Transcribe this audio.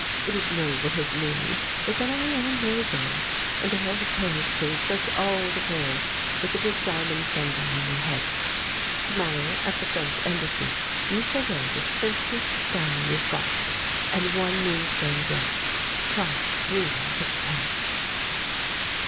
It is noble of me, but then I am noble. And all the pearls, please, just all the pearls, with the big diamond fender on your head. To morrow, at the French Embassy, you shall wear the simplest gown you have got, and one moonstone brooch, price three and sixpence."